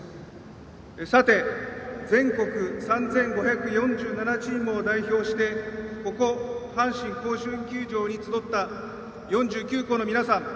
さて、全国３５４７チームを代表してここ阪神甲子園球場に集った４９校の皆さん